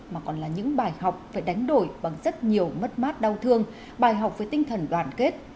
mà còn là những bài học phải đánh đổi bằng rất nhiều mất mát đau thương bài học với tinh thần đoàn kết